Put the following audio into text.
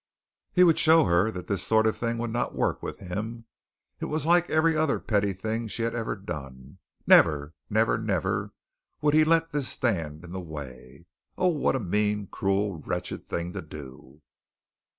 He would show her that this sort of thing would not work with him. It was like every other petty thing she had ever done. Never, never, never, would he let this stand in the way. Oh, what a mean, cruel, wretched thing to do!